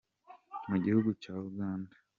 Mugihugu cya Uganda.